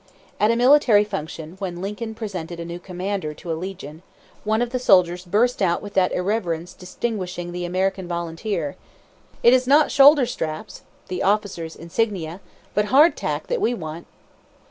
At a military function when Lincoln presented a new commander to a legion, one of the soldiers burst out with that irreverence distinguishing the American volunteer: "It is not shoulder straps (the officers' insignia), but hardtack that we want!"